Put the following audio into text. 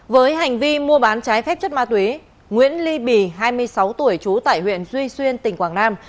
với hành vi mua bán trái phép chất ma túy nguyễn ly bì hai mươi sáu tuổi trú tại huyện duy xuyên tỉnh quảng nam